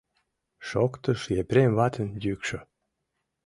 Шоктыш Епрем ватын йӱкшӧ.